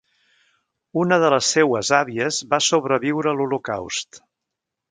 Una de les seues àvies va sobreviure a l'Holocaust.